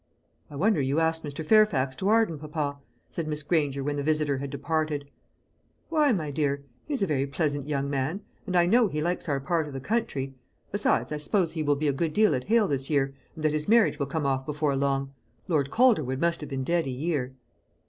"I wonder you asked Mr. Fairfax to Arden, papa," said Miss Granger, when the visitor had departed. "Why, my dear? He is a very pleasant young man; and I know he likes our part of the country. Besides, I suppose he will be a good deal at Hale this year, and that his marriage will come off before long. Lord Calderwood must have been dead a year."